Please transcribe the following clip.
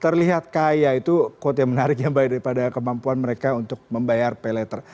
terlihat kaya itu quote yang menarik ya mbak daripada kemampuan mereka untuk membayar pay letter